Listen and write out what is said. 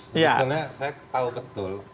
saya tahu betul